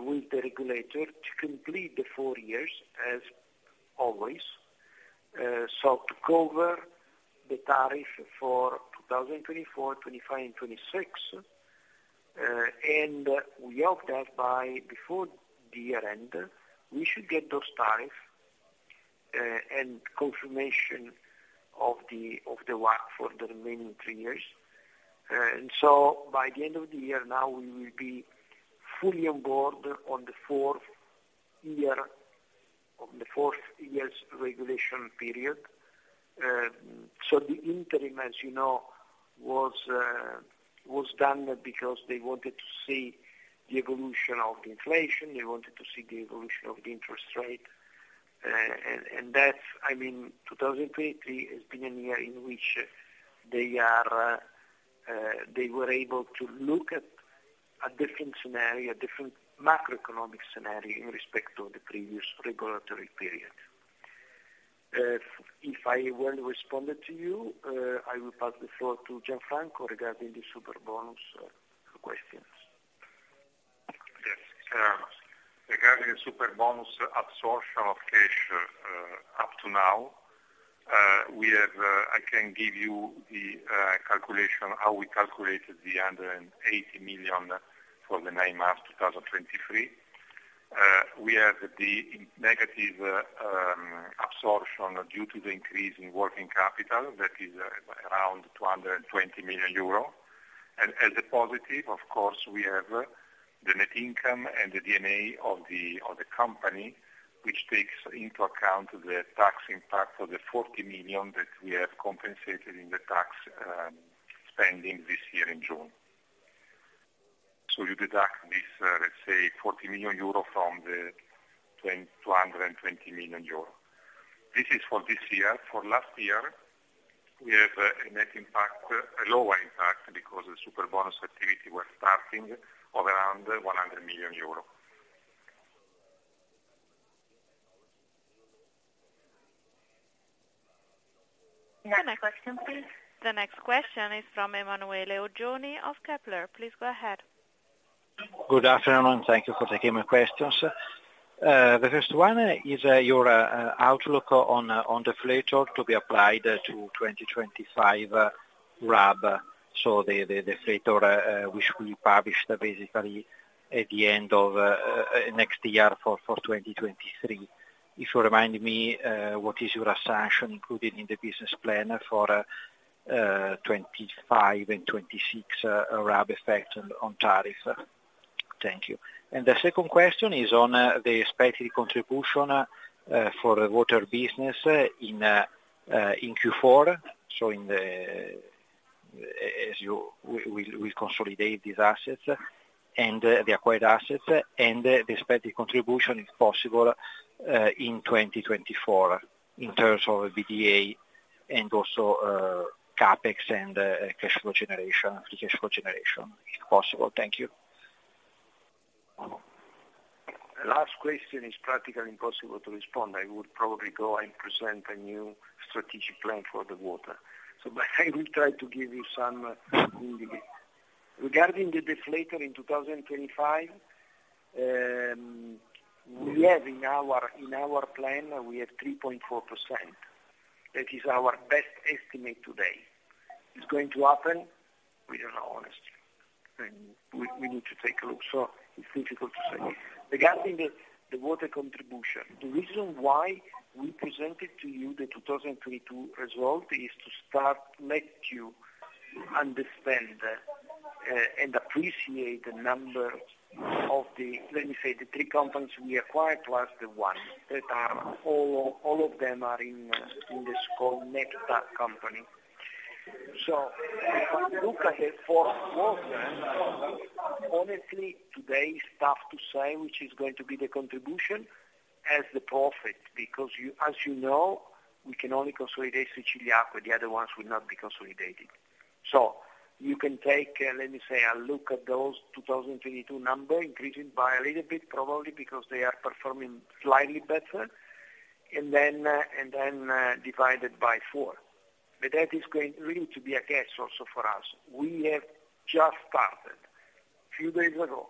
with the regulator to complete the four years, as always. So to cover the tariff for 2024, 25, and 26, and we hope that by before the year end, we should get those tariff, and confirmation of the, of the WACC for the remaining three years. And so by the end of the year, we will be fully on board on the fourth year, on the fourth year's regulation period. So the interim, as you know, was done because they wanted to see the evolution of inflation, they wanted to see the evolution of the interest rate. And that's, I mean, 2023 has been a year in which they were able to look at a different scenario, a different macroeconomic scenario in respect to the previous regulatory period. If I well responded to you, I will pass the floor to Gianfranco regarding the Superbonus questions. Yes, regarding the Superbonus absorption of cash, up to now, we have, I can give you the calculation, how we calculated the under 80 million for the nine months, 2023. We have the negative absorption due to the increase in working capital, that is, around 220 million euro. And as a positive, of course, we have the net income and the D&A of the, of the company, which takes into account the tax impact of the 40 million that we have compensated in the tax spending this year in June. So you deduct this, let's say, 40 million euro from the 220 million euro. This is for this year. For last year, we have a net impact, a lower impact, because the Superbonus activity was starting of around 100 million euros. The next question, please. The next question is from Emanuele Oggioni of Kepler. Please go ahead. Good afternoon, and thank you for taking my questions. The first one is your outlook on the deflator to be applied to 2025 RAB, so the deflator, which we publish basically at the end of next year for 2023. If you remind me, what is your assumption included in the business plan for 2025 and 2026, RAB effect on tariff? Thank you. And the second question is on the expected contribution for the water business in Q4, so as we consolidate these assets, and the acquired assets, and the expected contribution, if possible, in 2024, in terms of the EBITDA and also CapEx and cash flow generation, the cash flow generation, if possible. Thank you. The last question is practically impossible to respond. I would probably go and present a new strategic plan for the water. So but I will try to give you some indication. Regarding the deflator in 2025, we have in our, in our plan, we have 3.4%. That is our best estimate today. It's going to happen? We don't know, honestly, and we, we need to take a look. So it's difficult to say. Regarding the water contribution, the reason why we presented to you the 2022 result is to start, let you understand, and appreciate the number of the, let me say, the three companies we acquired, plus the one that are all, all of them are in, in this whole net debt company. So if I look at it for water, honestly, today, it's tough to say which is going to be the contribution as the profit, because you, as you know, we can only consolidate Siciliacque, the other ones will not be consolidated. So you can take, let me say, a look at those 2022 number, increasing by a little bit, probably because they are performing slightly better, and then, and then, divide it by four. But that is going really to be a guess also for us. We have just started, a few days ago,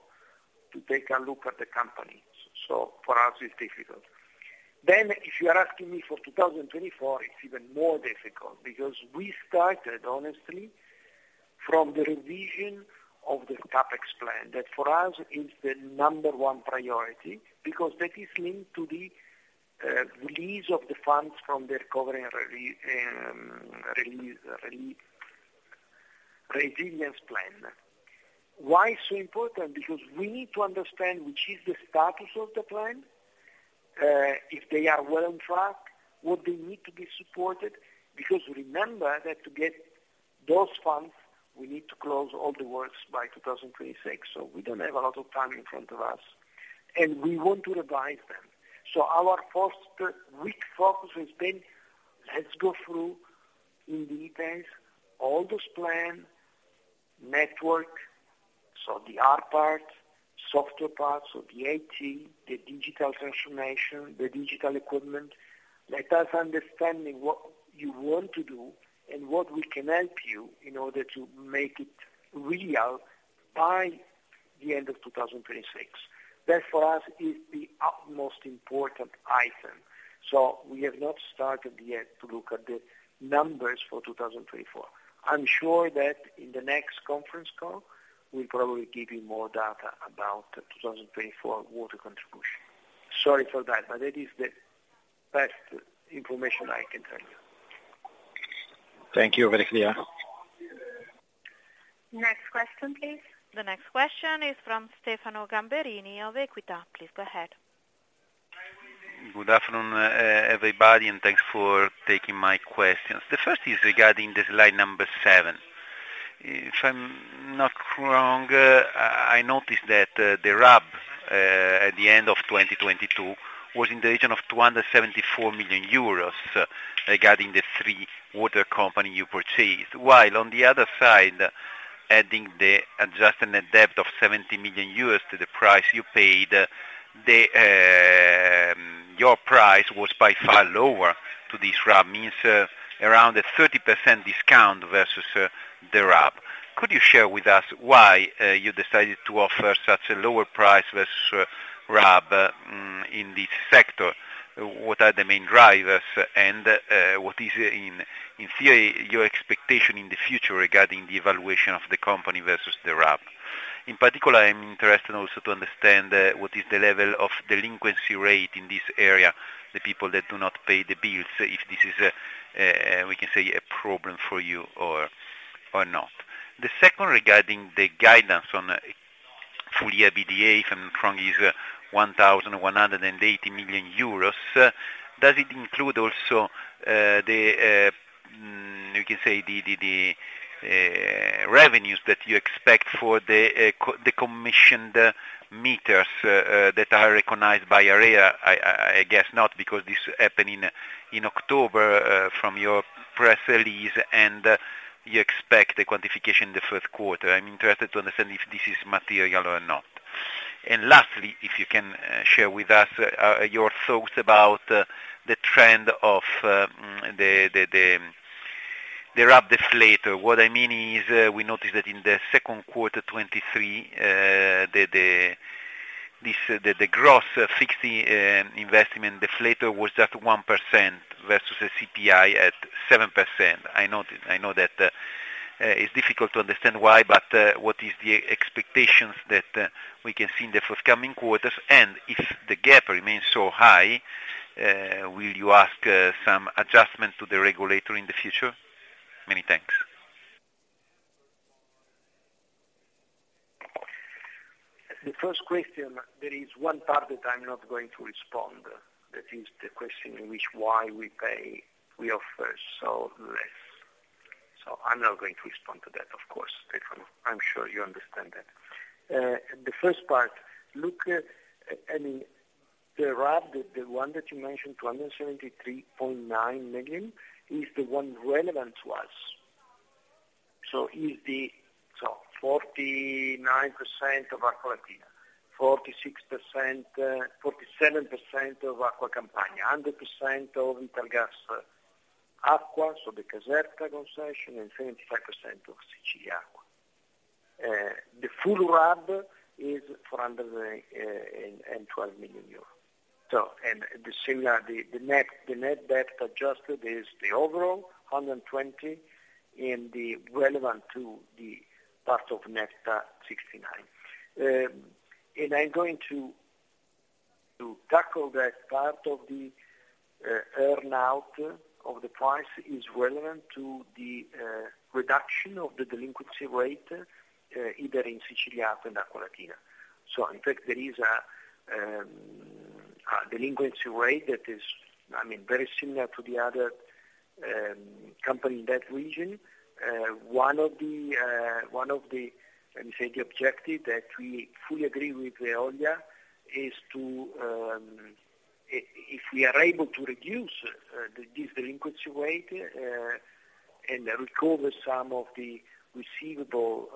to take a look at the company. So for us, it's difficult. Then if you are asking me for 2024, it's even more difficult, because we started, honestly, from the revision of the CapEx plan, that for us is the number one priority, because that is linked to the release of the funds from the recovery and resilience plan. Why it's so important? Because we need to understand which is the status of the plan, if they are well on track, would they need to be supported? Because remember that to get those funds, we need to close all the works by 2026, so we don't have a lot of time in front of us, and we want to revise them. So our first week focus has been, let's go through in details all those plan, network, so the R part, software part, so the IT, the digital transformation, the digital equipment, let us understanding what you want to do and what we can help you in order to make it real by the end of 2026. That, for us, is the utmost important item. So we have not started yet to look at the numbers for 2024. I'm sure that in the next conference call, we'll probably give you more data about the 2024 water contribution. Sorry for that, but that is the best information I can tell you. Thank you. Very clear. Next question, please. The next question is from Stefano Gamberini of Equita. Please go ahead. Good afternoon, everybody, and thanks for taking my questions. The first is regarding the slide number seven. If I'm not wrong, I noticed that the RAB at the end of 2022 was in the region of 274 million euros regarding the three water company you purchased, while on the other side, adding the adjustment net debt of 70 million euros to the price you paid, the your price was by far lower to this RAB, means around a 30% discount versus the RAB. Could you share with us why you decided to offer such a lower price versus RAB in this sector? What are the main drivers and what is in theory your expectation in the future regarding the evaluation of the company versus the RAB? In particular, I'm interested also to understand what is the level of delinquency rate in this area, the people that do not pay the bills, if this is a, we can say, a problem for you or, or not. The second, regarding the guidance on full year EBITDA, if I'm not wrong, is 1,180 million euros. Does it include also, the, you can say, the, the, the, revenues that you expect for the, co- the commissioned meters, that are recognized by area? I, I, I guess not, because this happened in, in October, from your press release, and you expect the quantification in the first quarter. I'm interested to understand if this is material or not. And lastly, if you can, share with us, your thoughts about, the trend of, the RAB deflator. What I mean is, we noticed that in the second quarter 2023, the gross fixed investment deflator was just 1% versus a CPI at 7%. I know, I know that, it's difficult to understand why, but, what is the expectations that, we can see in the forthcoming quarters? And if the gap remains so high, will you ask, some adjustment to the regulator in the future? Many thanks. The first question, there is one part that I'm not going to respond. That is the question in which why we pay, we offer so less. So I'm not going to respond to that, of course, Stefano, I'm sure you understand that. The first part, look, I mean, the RAB, the, the one that you mentioned, 273.9 million, is the one relevant to us. So is the... So 49% of Acqualatina, 46%, 47% of Acqua Campania, 100% of Italgas Acqua, so the Caserta concession, and 75% of Siciliacqua. The full RAB is 412 million euros. So, and the similar, the, the net, the net debt adjusted is the overall, 120, and the relevant to the part of Nepta, 69. And I'm going to tackle that part of the earn-out of the price is relevant to the reduction of the delinquency rate either in Siciliacque and Acqualatina. So in fact, there is a delinquency rate that is, I mean, very similar to the other company in that region. One of the, let me say, the objective that we fully agree with the Veolia is to if we are able to reduce this delinquency rate and recover some of the receivable,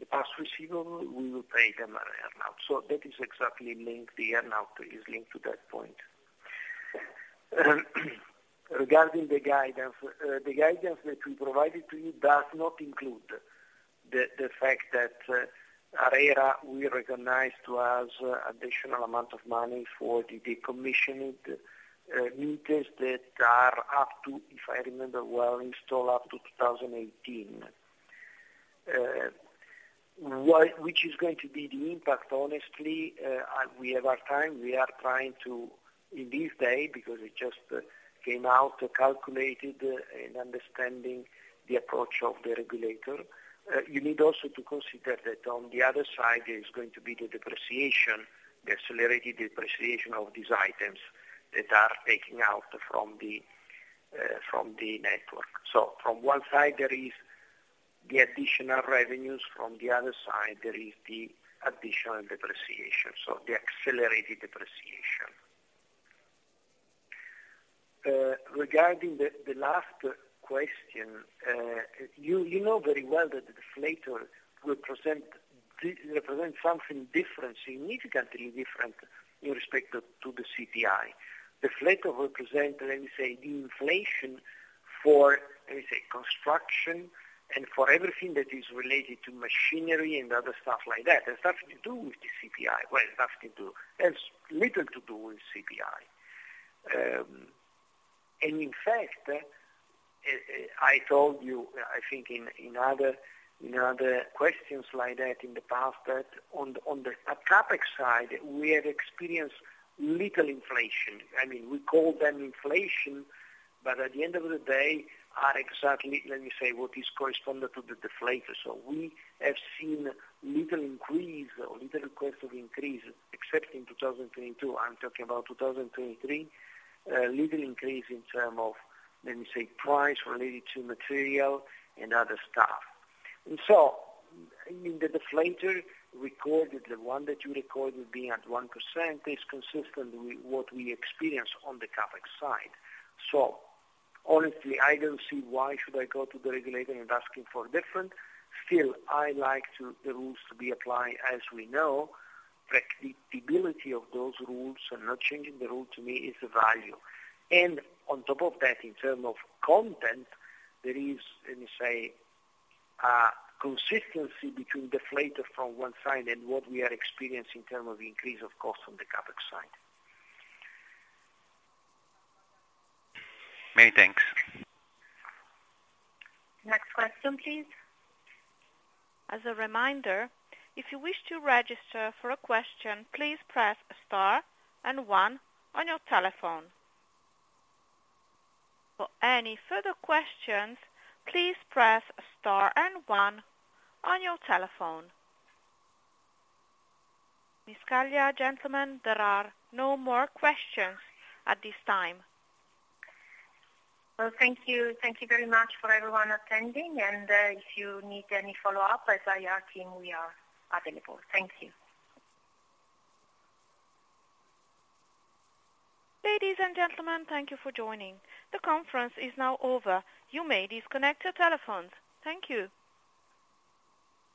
the past receivable, we will pay them an earn-out. So that is exactly linked, the earn-out is linked to that point. Regarding the guidance, the guidance that we provided to you does not include the fact that... ARERA, we recognize to us additional amount of money for the, the commissioned meters that are up to, if I remember well, install up to 2018. Which is going to be the impact, honestly, we have our time. We are trying to, in this day, because it just came out, calculated and understanding the approach of the regulator. You need also to consider that on the other side, there is going to be the depreciation, the accelerated depreciation of these items that are taking out from the, from the network. So from one side, there is the additional revenues, from the other side, there is the additional depreciation, so the accelerated depreciation. Regarding the, the last question, you, you know very well that the deflator represent represent something different, significantly different in respect to, to the CPI. Deflator represent, let me say, the inflation for, let me say, construction and for everything that is related to machinery and other stuff like that. It has nothing to do with the CPI. Well, it has nothing to do - it has little to do with CPI. In fact, I told you, I think in other questions like that in the past, that on the CapEx side, we have experienced little inflation. I mean, we call them inflation, but at the end of the day, are exactly, let me say, what is corresponded to the deflator. So we have seen little increase or little request of increase, except in 2022. I'm talking about 2023, little increase in term of, let me say, price related to material and other stuff. And so, I mean, the deflator recorded, the one that you recorded being at 1%, is consistent with what we experience on the CapEx side. So honestly, I don't see why should I go to the regulator and asking for different. Still, I like to the rules to be applied as we know. Predictability of those rules and not changing the rule to me is a value. And on top of that, in term of content, there is, let me say, a consistency between deflator from one side and what we are experiencing in term of increase of cost on the CapEx side. Many thanks. Next question, please. As a reminder, if you wish to register for a question, please press star and one on your telephone. For any further questions, please press star and one on your telephone. Miss Scaglia, gentlemen, there are no more questions at this time. Well, thank you. Thank you very much for everyone attending, and, if you need any follow-up, IR team, we are available. Thank you. Ladies and gentlemen, thank you for joining. The conference is now over. You may disconnect your telephones. Thank you.